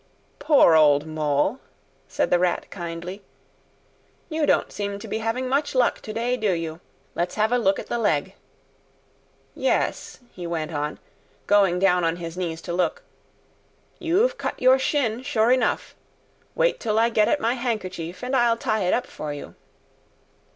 "Poor old Mole!" said the Rat kindly. "You don't seem to be having much luck to day, do you? Let's have a look at the leg. Yes," he went on, going down on his knees to look, "you've cut your shin, sure enough. Wait till I get at my handkerchief, and I'll tie it up for you."